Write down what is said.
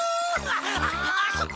あっそこ！